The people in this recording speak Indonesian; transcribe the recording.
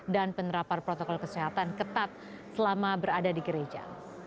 dan penerapan protokol kesehatan ketat selama berada di gereja